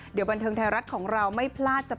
เดี๋ยวบันเทิงไทยรัฐของเราไม่พลาดจะ